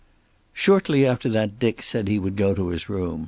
XXV Shortly after that Dick said he would go to his room.